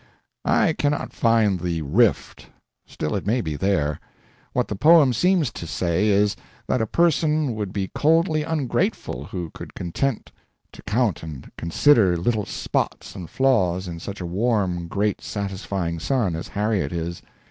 I cannot find the "rift"; still it may be there. What the poem seems to say is, that a person would be coldly ungrateful who could consent to count and consider little spots and flaws in such a warm, great, satisfying sun as Harriet is.